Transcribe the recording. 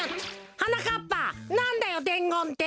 はなかっぱなんだよでんごんって？